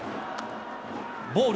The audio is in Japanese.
ボール。